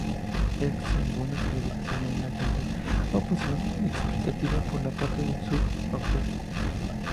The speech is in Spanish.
Es, según los especialistas, sólo una extensa aposición explicativa por parte de su autor.